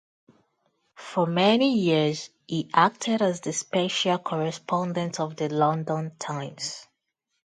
For many years, he acted as the special correspondent of the London "Times".